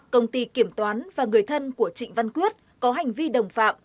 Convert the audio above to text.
công ty kiểm toán và người thân của trịnh văn quyết có hành vi đồng phạm